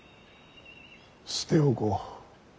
捨て置こう。